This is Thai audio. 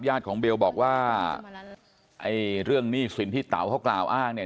ญาติของเบลบอกว่าเรื่องนี้สิ่งที่เบลเขากล่าวอ้างเนี่ย